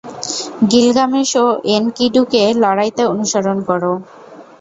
Gilgamesh ও এনকিডুকে লড়াইতে অনুসরণ করো।